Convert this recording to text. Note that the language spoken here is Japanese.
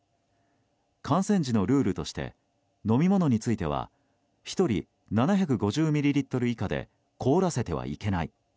観戦時のルールとして飲み物については１人７５０ミリリットル以下で凍らせてはいけない。